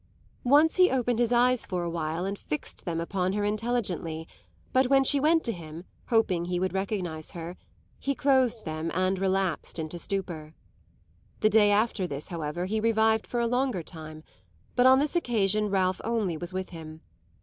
Once he opened his eyes for a while and fixed them upon her intelligently, but when she went to him, hoping he would recognise her, he closed them and relapsed into stupor. The day after this, however, he revived for a longer time; but on this occasion Ralph only was with him.